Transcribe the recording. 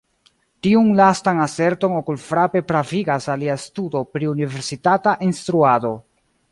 Tiun lastan aserton okulfrape pravigas alia studo pri universitata instruado.